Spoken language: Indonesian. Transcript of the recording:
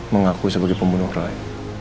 mengaku sebagai pembunuh rai